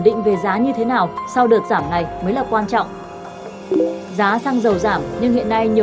định về giá như thế nào sau đợt giảm này mới là quan trọng giá xăng dầu giảm nhưng hiện nay nhiều